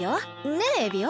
ねえエビオ？